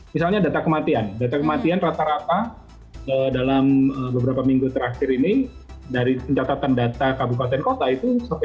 misalnya data kematian data kematian rata rata dalam beberapa minggu terakhir ini dari pencatatan data kabupaten kota itu sampai dua ribu enam puluh sementara